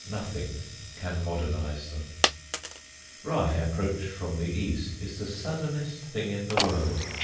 Nothing can modernise them. Rye approached from the east is the suddenest thing in the world.